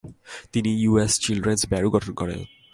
তিনি US children's bureau গঠন করেন।